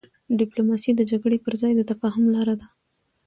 ډيپلوماسي د جګړې پر ځای د تفاهم لاره ده.